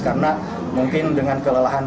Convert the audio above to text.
karena mungkin dengan kelelahan